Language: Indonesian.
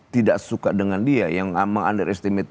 tidak suka dengan dia yang meng underestimate